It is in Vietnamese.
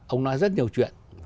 ông nói rất nhiều chuyện